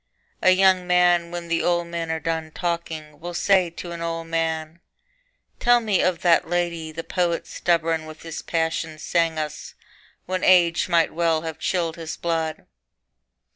A young man when the old men are done talking Will say to an old man, 'Tell me of that lady The poet stubborn with his passion sang us When age might well have chilled his blood.'